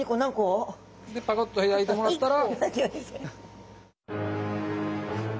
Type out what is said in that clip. でパコッと開いてもらったら。